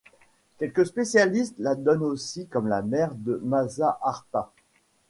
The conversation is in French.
Quelques spécialistes la donnent aussi comme la mère de Masaharta.